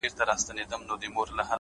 تر دې نو بله ښه غزله کتابي چیري ده _